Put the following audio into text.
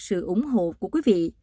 sự ủng hộ của quý vị